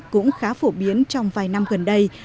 cũng khá phổ biến trong vài năm gần đây